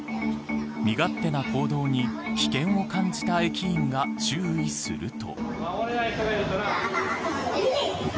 身勝手な行動に危険を感じた駅員が注意すると。